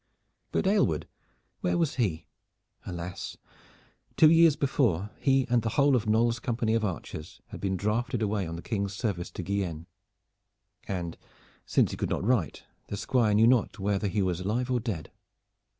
But Aylward, where was he? Alas! two years before he and the whole of Knolles' company of archers had been drafted away on the King's service to Guienne, and since he could not write the Squire knew not whether he was alive or dead.